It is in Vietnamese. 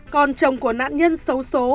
con chồng của nạn nhân xấu xố